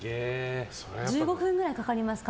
１５分くらいかかりますか？